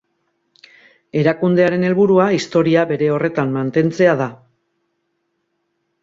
Erakundearen helburua historia bere horretan mantentzea da.